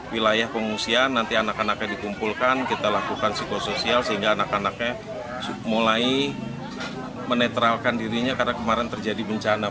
wilayah pengungsian nanti anak anaknya dikumpulkan kita lakukan psikosoial sehingga anak anaknya mulai menetralkan dirinya karena kemarin terjadi bencana